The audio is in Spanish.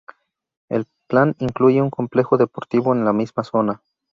El plan incluye un complejo deportivo en la misma zona.